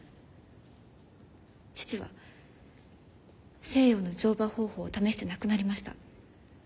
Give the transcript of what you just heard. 父は西洋の乗馬方法を試して亡くなりました。